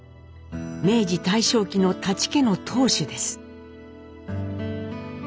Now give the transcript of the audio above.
明治大正期の舘家の当主です。